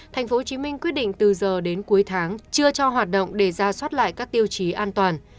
tp hcm quyết định từ giờ đến cuối tháng chưa cho hoạt động để ra soát lại các tiêu chí an toàn